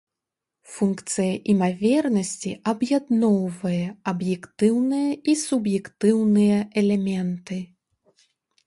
Функцыя імавернасці аб'ядноўвае аб'ектыўныя і суб'ектыўныя элементы.